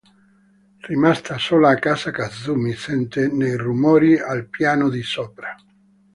Rimasta sola a casa Kazumi sente dei rumori al piano di sopra.